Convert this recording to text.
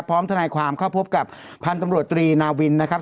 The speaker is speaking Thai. ทนายความเข้าพบกับพันธุ์ตำรวจตรีนาวินนะครับ